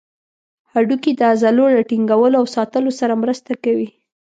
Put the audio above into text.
هډوکي د عضلو له ټینګولو او ساتلو سره مرسته کوي.